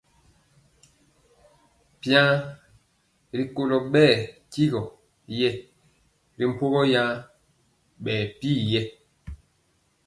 Biaŋ rikolo bɛ tyigɔ yɛɛ ri mpogɔ yaŋ bɛ pir yɛ.